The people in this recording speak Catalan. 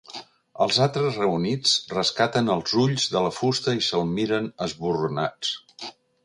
Els altres reunits rescaten els ulls de la fusta i se'l miren esborronats.